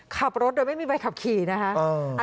ขับรถโดยไม่มีใบขับขี่นะคะ